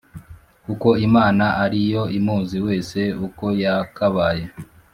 kuko Imana ari yo imuzi wese uko yakabaye,